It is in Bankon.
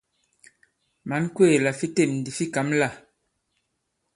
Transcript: Mǎn kwéè la fi têm ndi fi kǎm lâ ?